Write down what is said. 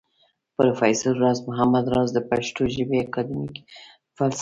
پروفېسر راز محمد راز د پښتو ژبى اکېډمک فلسفى و